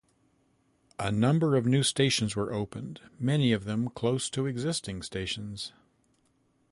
A number of new stations were opened, many of them close to existing stations.